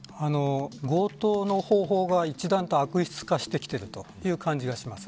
強盗の方法が一段と悪質化してきているという感じがします。